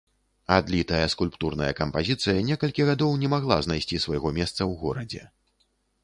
Адлітая скульптурная кампазіцыя некалькі гадоў не магла знайсці свайго месца ў горадзе.